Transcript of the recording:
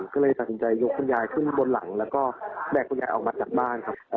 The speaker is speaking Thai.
ก็เลยตัดสินใจยกคุณยายขึ้นบนหลังแล้วก็แบกคุณยายออกมาจากบ้านครับ